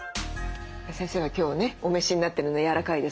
先生は今日ねお召しになってるの柔らかいですもんね。